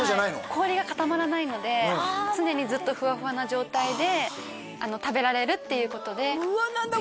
氷が固まらないので常にずっとフワフワな状態で食べられるっていうことでうわ何だ？